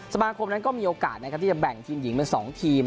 สมาคมนั้นก็มีโอกาสนะครับที่จะแบ่งทีมหญิงเป็น๒ทีม